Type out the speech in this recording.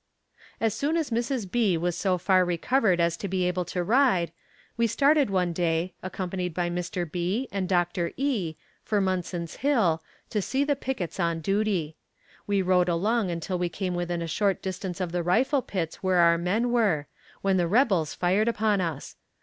As soon as Mrs. B. was so far recovered as to be able to ride, we started one day, accompanied by Mr. B. and Dr. E., for Munson's Hill, to see the pickets on duty. We rode along until we came within a short distance of the rifle pits where our men were, when the rebels fired upon us.